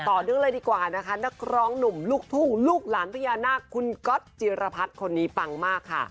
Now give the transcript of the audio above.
เนื่องเลยดีกว่านะคะนักร้องหนุ่มลูกทุ่งลูกหลานพญานาคคุณก๊อตจิรพัฒน์คนนี้ปังมากค่ะ